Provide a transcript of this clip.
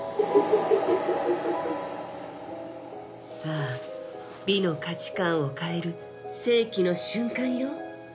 さあ美の価値観を変える世紀の瞬間よ。